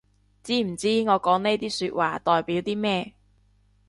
知唔知我講呢啲說話代表啲咩